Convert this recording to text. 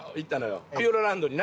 ピューロランドにな。